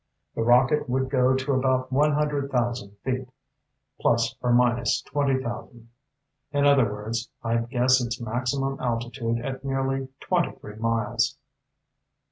The rocket would go to about one hundred thousand feet, plus or minus twenty thousand. In other words, I'd guess its maximum altitude at nearly twenty three miles."